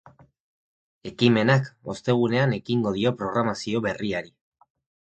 Ekimenak ostegunean ekingo dio programazio berriari.